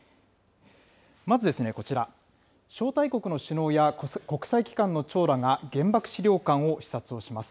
まずこちら、招待国の首脳や国際機関の長らが原爆資料館を視察をします。